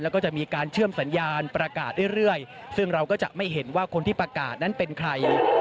แล้วก็จะมีการเชื่อมสัญญาณประกาศเรื่อยซึ่งเราก็จะไม่เห็นว่าคนที่ประกาศนั้นเป็นใคร